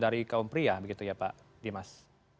dari kaum pria begitu ya pak dimas